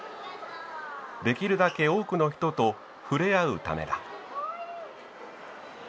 できるだけ多くの人と触れ合うためだ。